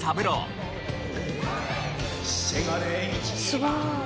すごい。